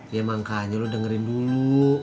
ya emang kayaknya lu dengerin dulu